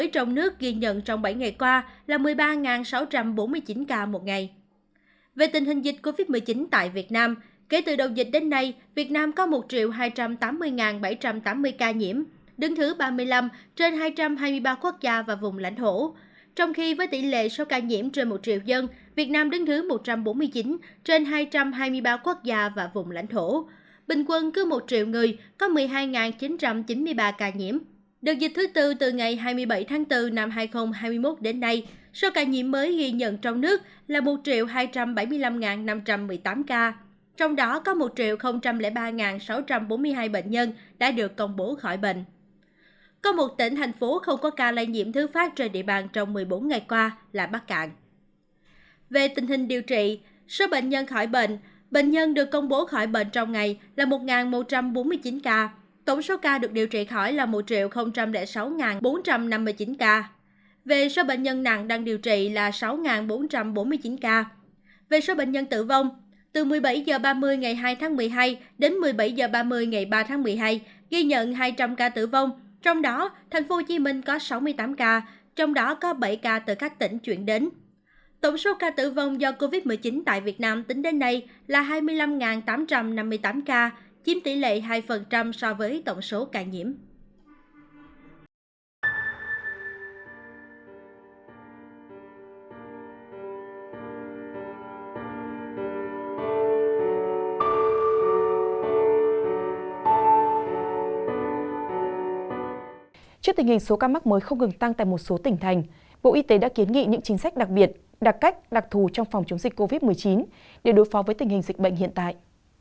trước tình hình số ca mắc mới không ngừng tăng tại một số tỉnh thành bộ y tế đã kiến nghị những chính sách đặc biệt đặc cách đặc thù trong phòng chống dịch covid một mươi chín để đối phó với tình hình dịch bệnh hiện tại